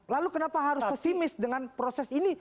lalu kenapa harus pesimis dengan proses ini